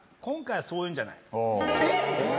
今回はそういうんじゃない。